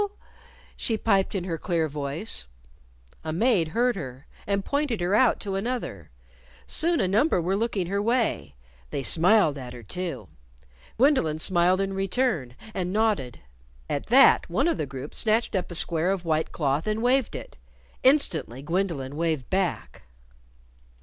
she piped in her clear voice. A maid heard her, and pointed her out to another. Soon a number were looking her way. They smiled at her, too, Gwendolyn smiled in return, and nodded. At that, one of a group snatched up a square of white cloth and waved it. Instantly Gwendolyn waved back.